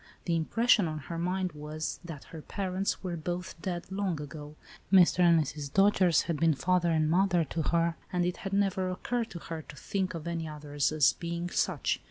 The impression on her mind was, that her parents were both dead long ago. Mr. and Mrs. Dojere had been father and mother to her, and it had never occurred to her to think of any others as being such.